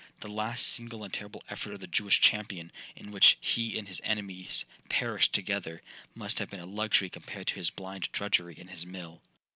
The last single and terrible effort of the Jewish champion, in which he and his enemies perished together, must have been a luxury compared to his blind drudgery in his mill.